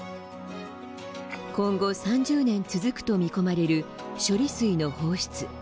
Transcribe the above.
今後、３０年続くと見込まれる処理水の放出。